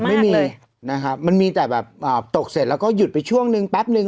ไม่มีนะครับมันมีแต่แบบตกเสร็จแล้วก็หยุดไปช่วงนึงแป๊บนึง